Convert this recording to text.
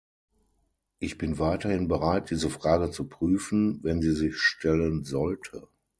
Ich bin weiterhin bereit, diese Frage zu prüfen, wenn sie sich stellen sollte.